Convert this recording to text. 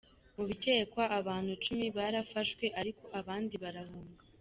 Mu bikekwa, abantu cumi barafashwe ariko abandi barahunga.